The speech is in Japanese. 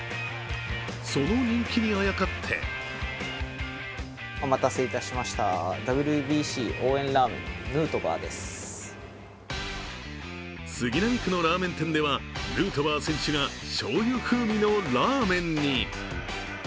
その人気にあやかって杉並区のラーメン店ではヌートバー選手がしょうゆ風味のラーメンに。